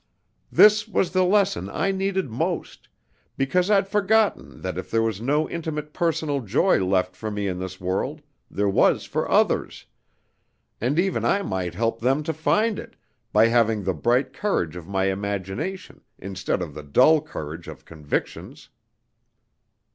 "This was the lesson I needed most, because I'd forgotten that if there was no intimate personal joy left for me in this world, there was for others; and even I might help them to find it, by having the bright courage of my imagination, instead of the dull courage of convictions.